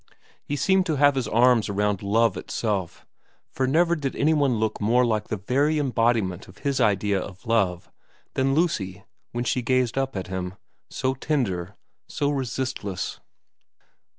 He seemed to have his arms round Love itself ; for never did any one look more like the very embodiment of his idea of love than Lucy then as she gazed up at him, so tender, so resistless.